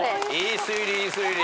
いい推理いい推理。